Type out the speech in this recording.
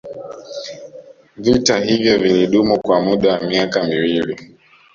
Vita hivyo vilidumu kwa muda wa miaka miwili